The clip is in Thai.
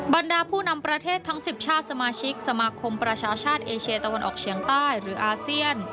บรรดาผู้นำประเทศทั้ง๑๐ชาติสมาชิกสมาคมประชาชาติเอเชียตะวันออกเฉียงใต้หรืออาเซียน